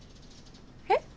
えっ？